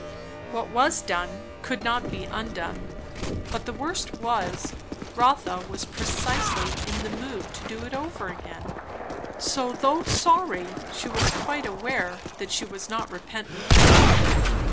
What was done could not be undone; but the worst was, Rotha was precisely in the mood to do it over again; so though sorry she was quite aware that she was not repentant.